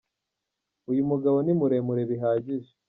Uyu mugabo ni muremure bihagije.